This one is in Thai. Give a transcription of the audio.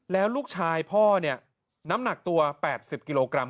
แล้วลูกชายพ่อเนี่ยน้ำหนักตัว๘๐กิโลกรัม